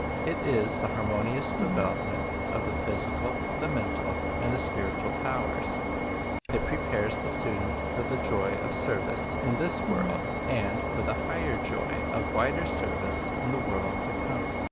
It is the harmonious devel opment of the physical, the mental, and the spiritual powers. It prepares the student for the joy of service in this world, and for the higher joy of wider service in the world to come.